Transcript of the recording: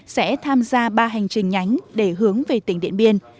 sẽ tham gia ba hành trình nhánh để hướng về tỉnh điện biên